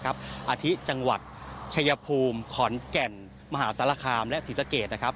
อาทิตย์จังหวัดชายภูมิขอนแก่นมหาสารคามและศรีสะเกดนะครับ